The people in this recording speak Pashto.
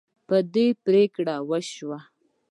په دې پریکړه وشوه.